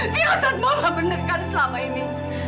virusan mama bener kan selama ini